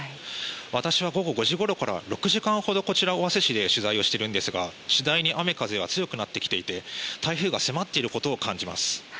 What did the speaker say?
私は午後５時ごろからこちら、尾鷲市で取材をしていますが次第に雨風が強くなってきていて台風が迫っていることを感じます。